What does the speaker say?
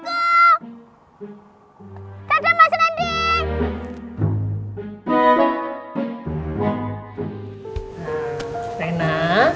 tadah mas randi